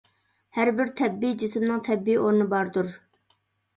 ھەر بىر تەبىئىي جىسىمنىڭ تەبىئىي ئورنى باردۇر.